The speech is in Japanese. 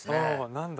何だ？